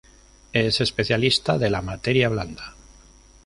Es especialista de la materia blanda.